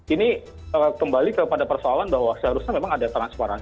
ini kembali kepada persoalan bahwa seharusnya memang ada transparansi